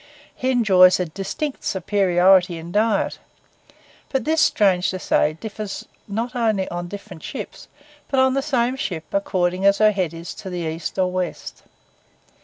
He enjoys a distinct superiority in diet; but this, strange to say, differs not only on different ships, but on the same ship according as her head is to the east or west.